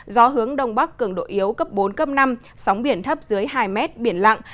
gió hướng đông bắc cường độ yếu cấp bốn cấp năm sóng biển thấp dưới hai mét biển lặng